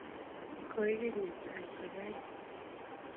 Koigeny eng saishek aeng